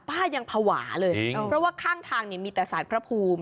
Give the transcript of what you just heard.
ป้ายังภาวะเลยเพราะว่าข้างทางเนี่ยมีแต่สารพระภูมิ